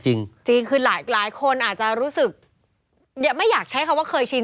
จริงจริงคือหลายคนอาจจะรู้สึกไม่อยากใช้คำว่าเคยชิน